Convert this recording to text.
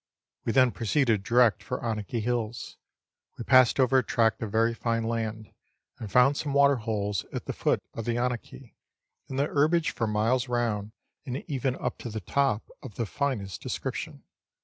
We then proceeded direct for the Anakie Hills. We passed over a tract of very fine land, and found some waterholes at the foot of the Anakie, and the herbage for miles round, and even up to the top, of the finest description.